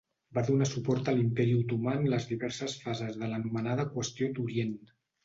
Va donar suport a l'Imperi Otomà en les diverses fases de l'anomenada qüestió d'Orient.